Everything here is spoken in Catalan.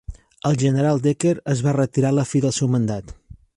El General Decker es va retirar a la fi del seu mandat.